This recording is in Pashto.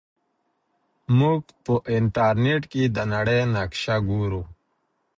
موږ په انټرنیټ کې د نړۍ نقشه ګورو.